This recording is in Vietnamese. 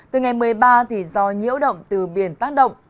từ ngày một mươi ba thì do nhiễu động từ biển tác động